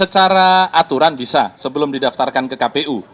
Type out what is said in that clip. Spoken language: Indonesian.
secara aturan bisa sebelum didaftarkan ke kpu